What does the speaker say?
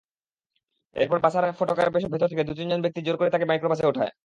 এরপর বাসার ফটকের ভেতর থেকে দু-তিনজন ব্যক্তি জোর করে তাঁকে মাইক্রোবাসে ওঠায়।